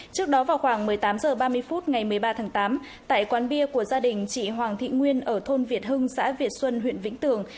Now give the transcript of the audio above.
trước đó vào khoảng một mươi tám h ba mươi phút ngày một mươi ba tháng tám tại quán bia của gia đình chị hoàng thị nguyên ở thôn việt hưng xã việt xuân huyện vĩnh tường